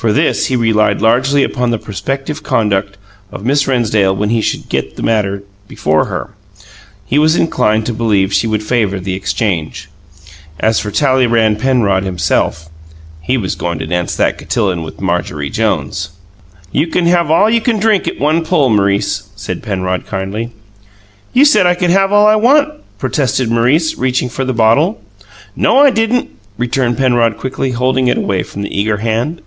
For this he relied largely upon the prospective conduct of Miss Rennsdale when he should get the matter before her he was inclined to believe she would favour the exchange. As for Talleyrand Penrod himself, he was going to dance that cotillon with Marjorie Jones! "You can have all you can drink at one pull, M'rice," said Penrod kindly. "You said I could have all I want!" protested Maurice, reaching for the bottle. "No, I didn't," returned Penrod quickly, holding it away from the eager hand.